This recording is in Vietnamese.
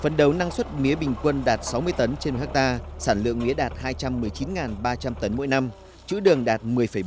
phấn đấu năng suất mía bình quân đạt sáu mươi tấn trên hectare sản lượng mía đạt hai trăm một mươi chín ba trăm linh tấn mỗi năm chữ đường đạt một mươi bốn